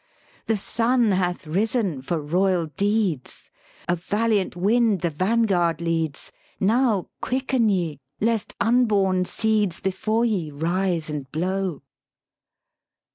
The sun hath risen for royal deeds, A valiant wind the vanguard leads; Now quicken ye, lest unborn seeds Before ye rise and blow.